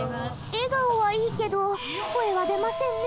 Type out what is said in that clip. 笑顔はいいけど声は出ませんね。